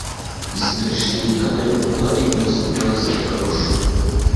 Zigashinga ay'ubutwari Ngo zitwaza akarusho.